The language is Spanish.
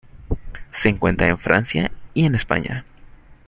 Se encuentra en Francia y en España.